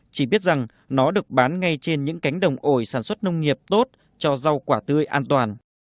chỉ biết rằng nó được bán ngay trên những cánh đồng ổi sản xuất nông nghiệp tốt cho rau quả tươi an toàn